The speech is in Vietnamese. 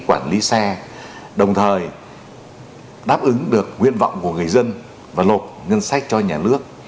quản lý xe đồng thời đáp ứng được nguyên vọng của người dân và lộp ngân sách cho nhà nước